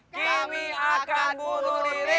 kami akan bunuh diri